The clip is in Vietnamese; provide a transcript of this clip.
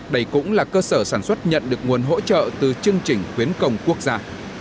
đây cũng là cơ sở sản xuất nhận được nguồn hỗ trợ từ chương trình khuyến công quốc gia